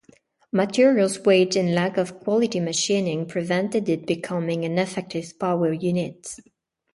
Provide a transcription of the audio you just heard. Materials weight and lack of quality machining prevented it becoming an effective power unit.